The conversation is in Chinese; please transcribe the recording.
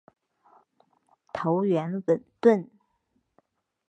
头圆吻钝。